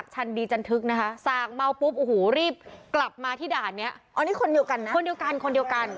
คนเดียวกันคนเดียวกัน